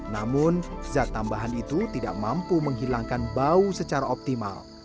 namun zat tambahan itu tidak mampu menghilangkan bau secara optimal